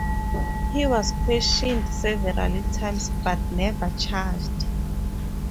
He was questioned several times but never charged.